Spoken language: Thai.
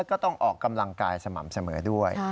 ก็ต้องออกกำลังกายสม่ำเสมอด้วย